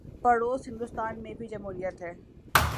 پڑوس ہندوستان میں بھی جمہوریت ہے۔